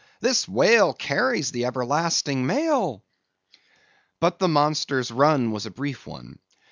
this whale carries the everlasting mail!" But the monster's run was a brief one.